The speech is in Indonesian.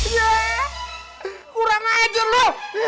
iya kurang ajar lu